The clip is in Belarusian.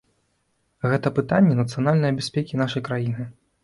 Гэта пытанні нацыянальнае бяспекі нашай краіны.